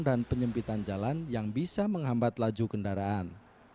dan penyempitan jalan yang bisa menghambat laju kendaraan